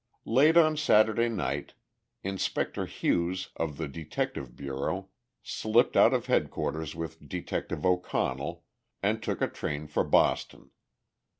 Late on Saturday night Inspector Hughes, of the Detective Bureau, slipped out of headquarters with Detective O'Connell, and took a train for Boston.